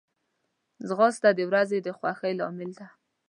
ځغاسته د ورځې د خوښۍ لامل ده